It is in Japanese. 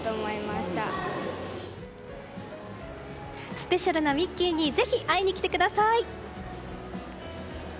スペシャルなミッキーにぜひ会いに来てください。